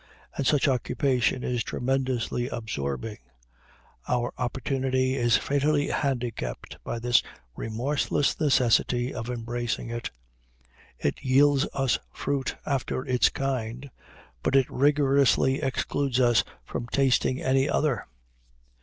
And such occupation is tremendously absorbing. Our opportunity is fatally handicapped by this remorseless necessity of embracing it. It yields us fruit after its kind, but it rigorously excludes us from tasting any other.